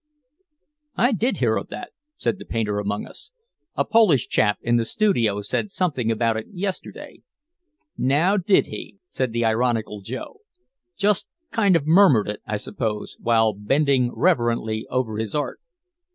"I did hear of that," said the painter among us. "A Polish chap in the studio said something about it yesterday." "Now, did he?" said the ironical Joe. "Just kind of murmured it, I suppose, while bending reverently over his art."